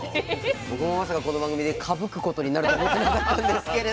僕もまさかこの番組でかぶくことになると思ってなかったんですけれども。